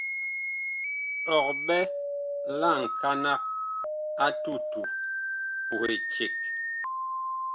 Ɔg ɓɛ la ŋkanag a tutu puh eceg.